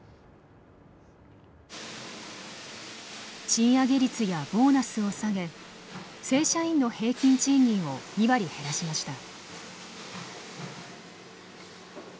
賃上げ率やボーナスを下げ正社員の平均賃金を２割減らしました。